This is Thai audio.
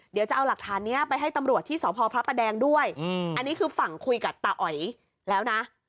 เดี๋ยวจะเอาหลักฐานนี้ไปให้ตำรวจที่สพพระประแดงด้วยอันนี้คือฝั่งคุยกับตาอ๋อยแล้วนะ